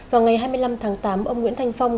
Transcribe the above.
vào ngày hai mươi năm tháng tám ông nguyễn thanh phong